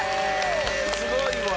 すごいわ！